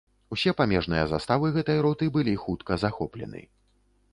Усе памежныя заставы гэтай роты былі хутка захоплены.